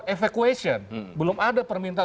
evacuation belum ada permintaan